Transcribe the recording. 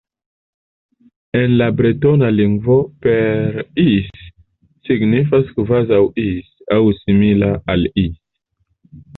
En la bretona lingvo "Par Is" signifas "kvazaŭ Is" aŭ "simila al Is".